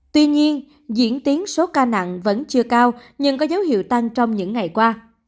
tuy nhiên diễn tiến số ca nặng vẫn chưa cao nhưng có dấu hiệu tăng trong những ngày qua